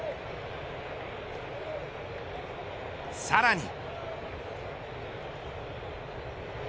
さらに。